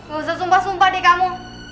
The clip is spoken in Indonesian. gak usah sumpah sumpah di kamu